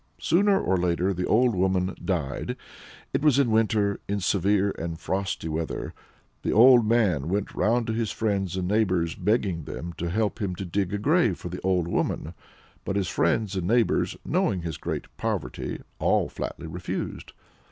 Sooner or later the old woman died. It was in winter, in severe and frosty weather. The old man went round to his friends and neighbors, begging them to help him to dig a grave for the old woman; but his friends and neighbors, knowing his great poverty, all flatly refused.